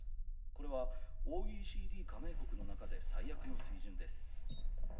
これはＯＥＣＤ加盟国の中で最悪の水準です」。